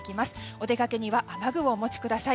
お出かけには雨具をお持ちください。